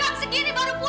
aku tidak tahu